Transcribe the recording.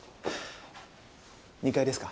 ２階ですか？